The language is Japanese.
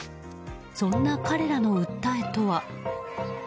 そんな彼らの訴えとは。